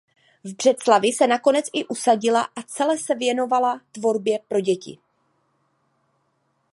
V Břeclavi se nakonec i usadila a cele se věnovala tvorbě pro děti.